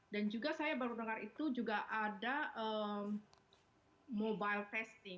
dan juga saya baru dengar itu juga ada mobile testing